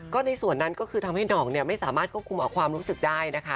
ก็ในส่วนนั้นก็คือทำให้หนองไม่สามารถควบคุมความรู้สึกได้นะคะ